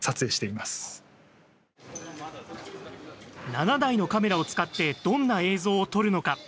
７台のカメラを使ってどんな映像を撮るのか。